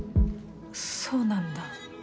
そうなんだ。